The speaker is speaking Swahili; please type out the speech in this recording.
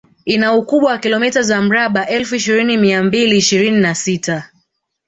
Ina ukubwa wa kilomita za mraba elfu ishirini mia mbili ishirini na sita